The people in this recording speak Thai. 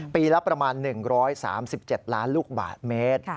ปีละประมาณ๑๓๗ล้านลูกบาทเมตร